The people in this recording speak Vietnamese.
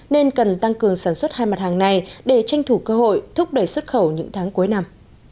nên cần tăng cường sản xuất hai mặt hàng này để tranh thủ cơ hội thúc đẩy xuất khẩu những tháng cuối năm